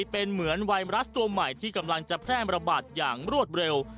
เป็นเหมือนไวรัสตัวใหม่ที่กำลังจะแพร่ระบาดอย่างรวดเร็ว